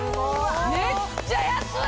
めっちゃ安い！